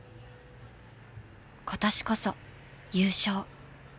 今年こそ優勝。